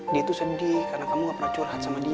dia itu sedih karena kamu gak pernah curhat sama dia